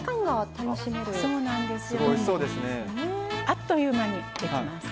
あっという間にできます。